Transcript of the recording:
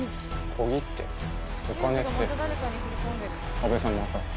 小切手お金って安部さんまた？